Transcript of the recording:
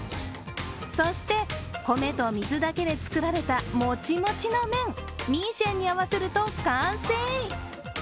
そして、米と水だけで作られたもちもちの麺ミーシェンにあわせると完成！